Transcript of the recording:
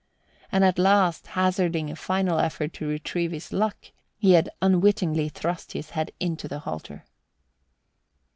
And at last, hazarding a final effort to retrieve his luck, he had unwittingly thrust his head into the halter.